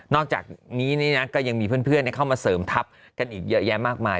อกจากนี้ก็ยังมีเพื่อนเข้ามาเสริมทัพกันอีกเยอะแยะมากมาย